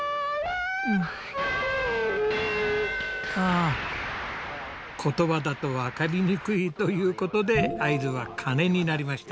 あ言葉だと分かりにくいということで合図は鐘になりました。